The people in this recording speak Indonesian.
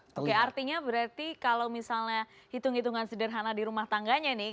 oke artinya berarti kalau misalnya hitung hitungan sederhana di rumah tangganya nih